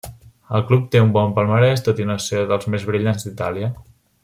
El club té un bon palmarès tot i no ser dels més brillants d'Itàlia.